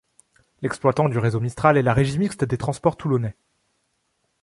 L'exploitant du réseau Mistral est la régie mixte des transports toulonnais.